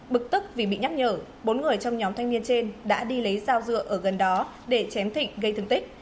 bực tức vì bị nhắc nhở bốn người trong nhóm thanh niên trên đã đi lấy dao dựa ở gần đó để chém thịnh gây thương tích